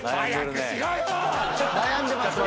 悩んでます今。